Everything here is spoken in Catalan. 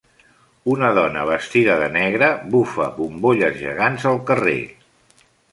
Una dona vestida de negre bufa bombolles gegants al carrer.